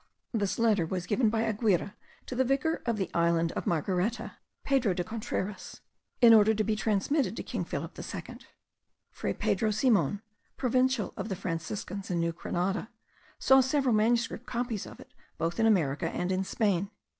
This letter was given by Aguirre to the vicar of the island of Margareta, Pedro de Contreras, in order to be transmitted to King Philip II. Fray Pedro Simon, Provincial of the Franciscans in New Grenada, saw several manuscript copies of it both in America and in Spain.